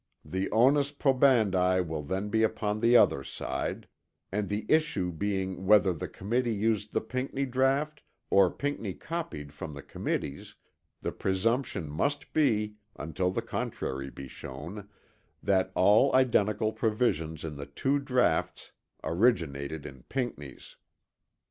The onus probandi will then be upon the other side; and the issue being whether the Committee used the Pinckney draught or Pinckney copied from the Committee's, the presumption must be, until the contrary be shown, that all identical provisions in the two draughts originated in Pinckney's.